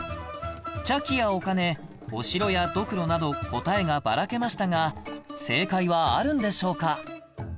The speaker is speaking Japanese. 茶器やお金お城やドクロなど答えがばらけましたが正解はあるんでしょうか？